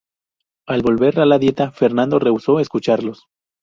Al volver a la Dieta, Fernando rehusó escucharlos.